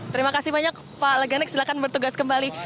terima kasih banyak pak leganek silahkan bertugas kembali